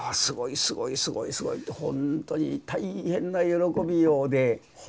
すごいすごいすごいすごいってほんとに大変な喜びようで。